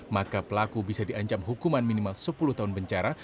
maka pelaku bisa diancam hukuman minimal sepuluh tahun penjara